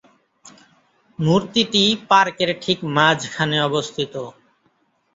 মূর্তিটি পার্কের ঠিক মাঝখানে অবস্থিত।